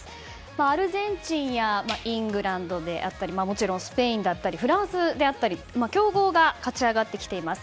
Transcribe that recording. アルゼンチンやイングランドもちろんスペインだったりフランスだったり強豪が勝ち上がってきています。